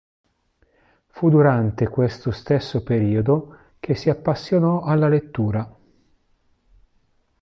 Fu durante questo stesso periodo che si appassionò alla lettura.